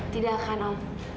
tidak akan om